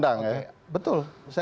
ada undang undang ya betul kan